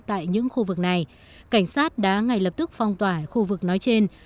tại những khu vực này cảnh sát đã ngay lập tức phong tỏa khu vực nói trên